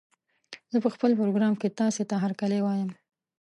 زه په خپل پروګرام کې تاسې ته هرکلی وايم